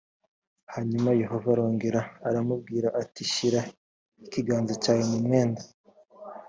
hanyuma yehova arongera aramubwira ati shyira ikiganza cyawe mu mwenda